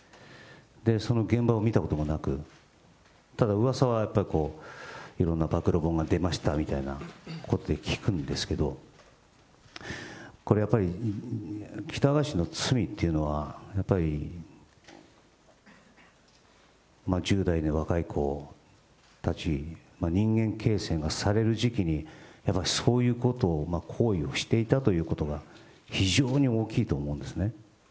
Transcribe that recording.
その現場を見たこともなく、ただ、うわさはやっぱりいろんな暴露本が出ましたみたいなことで聞くんですけど、これやっぱり、喜多川氏の罪っていうのは、やっぱり、１０代の若い子たち、人間形成がされる時期に、そういうことを、行為をしていたことが非常に大きいと思うんですね。